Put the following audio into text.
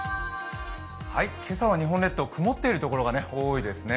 今朝は日本列島、曇っているところが多いですね。